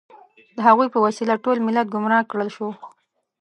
د هغوی په وسیله ټول ملت ګمراه کړل شو.